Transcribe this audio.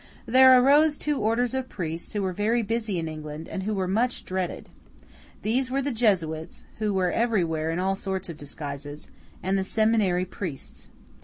There arose two orders of priests, who were very busy in England, and who were much dreaded. These were the Jesuits (who were everywhere in all sorts of disguises), and the Seminary Priests.